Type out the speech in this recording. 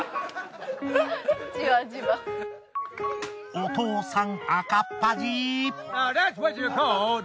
お父さん赤っ恥。